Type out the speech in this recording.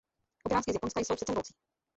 Obrázky z Japonska jsou srdcervoucí.